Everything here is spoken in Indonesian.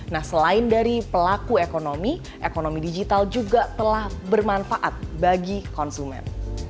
nah selain dari pelaku ekonomi ekonomi digital juga telah bermanfaat bagi konsumen